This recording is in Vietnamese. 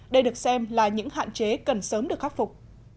đây được xem là những hạn chế cần sớm được khắc phục